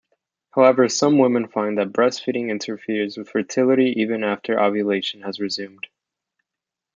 However, some women find that breastfeeding interferes with fertility even after ovulation has resumed.